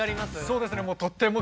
そうですね。